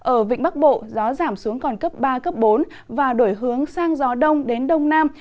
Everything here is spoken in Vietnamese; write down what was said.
ở vịnh bắc bộ gió giảm xuống còn cấp ba cấp bốn và đổi hướng sang gió đông đến đông nam